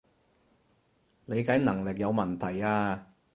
理解能力有問題呀？